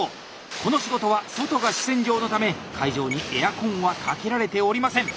この仕事は外が主戦場のため会場にエアコンはかけられておりません。